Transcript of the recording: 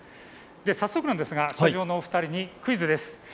早速なんですが、スタジオのお二人にクイズです。